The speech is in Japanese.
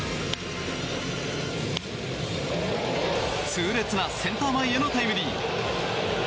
痛烈なセンター前へのタイムリー。